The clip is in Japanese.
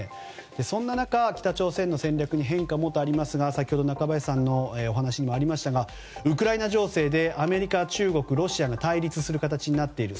そんな中、北朝鮮の戦略に変化もとありますが先ほど中林さんのお話にもありましたがウクライナ情勢でアメリカ、中国、ロシアが対立する形になっている。